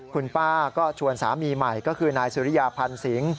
คุณป้าก็ชวนสามีใหม่ก็คือนายสุริยาพันธ์สิง